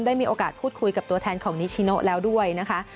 ได้มีโอกาสพูดคุยกับตัวแทนของนิชิโนแล้วด้วยนะคะ